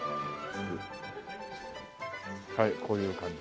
はいこういう感じ。